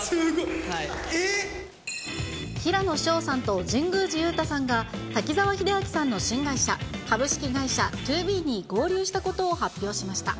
平野紫燿さんと神宮寺勇太さんが、滝沢秀明さんの新会社、株式会社ＴＯＢＥに合流したことを発表しました。